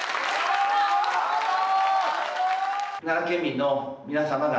奈良県民の皆様が、